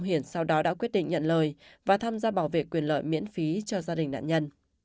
chùa linh quang tham gia bảo vệ quyền lợi miễn phí cho gia đình nạn nhân